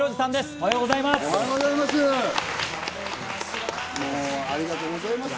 おはようございます。